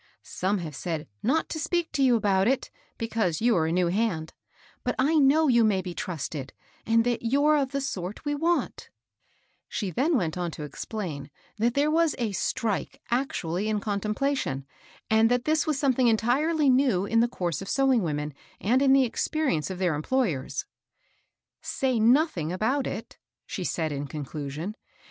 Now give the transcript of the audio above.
Some have said not to speak to you about it, be cause you are a new hand ; but I know you may be trusted, and that you're of the sort we want" She then went on to explain that t]\Q;c^ ^*9^%& ^ 154 MABEL BOSS. " strike *' actually in contemplation, and that this was something entirely new in the course of sew ing women and in the experience of their employ ers. ^' Say nothing about it," she said in conclusion.